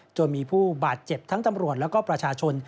จนมีผู้บาดเจ็บทั้งตำรวจแล้วก็ประชาชน